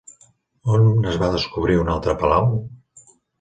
On es va descobrir un altre palau?